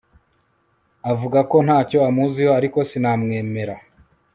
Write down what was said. Avuga ko ntacyo amuziho ariko sinamwemera